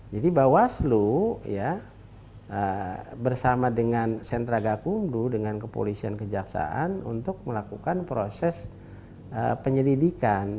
jadi bawaslu bersama dengan sentra gakundu dengan kepolisian kejaksaan untuk melakukan proses penyelidikan